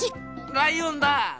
ライオンだ！